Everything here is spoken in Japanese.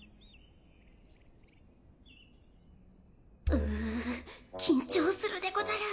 うぅ緊張するでござる。